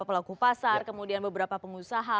dilihat oleh beberapa pelaku pasar kemudian beberapa pengusaha